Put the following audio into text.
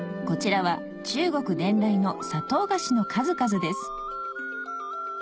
こちらは中国伝来の砂糖菓子の数々です